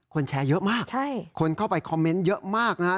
แชร์เยอะมากคนเข้าไปคอมเมนต์เยอะมากนะครับ